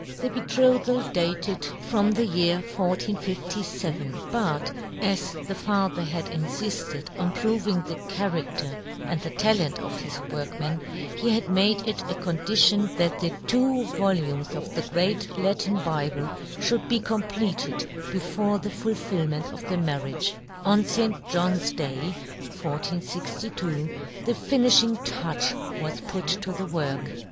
The betrothal dated from the year yohn Gutenberg. 9 1457 ; but, as the father had infifted on proving the charadter and the talent of his workman, he had made it a condition that the two volumes of the great Latin Bible fhould be com pleted before the fulfilment of the marriage. On St. John's day, 1462, the finifhing touch was put to the work.